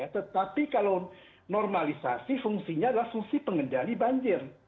tetapi kalau normalisasi fungsinya adalah fungsi pengendali banjir